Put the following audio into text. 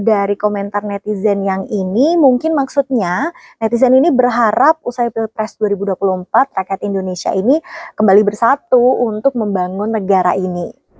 dari komentar netizen yang ini mungkin maksudnya netizen ini berharap usai pilpres dua ribu dua puluh empat rakyat indonesia ini kembali bersatu untuk membangun negara ini